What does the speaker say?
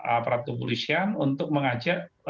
aparat kepolisian untuk mengajak